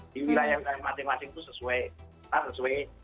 di wilayah wilayah masing masing itu sesuai